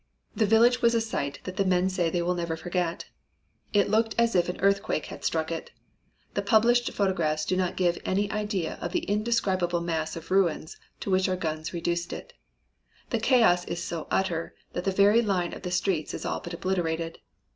"The village was a sight that the men say they will never forget. It looked as if an earthquake had struck it. The published photographs do not give any idea of the indescribable mass of ruins to which our guns reduced it. The chaos is so utter that the very line of the streets is all but obliterated.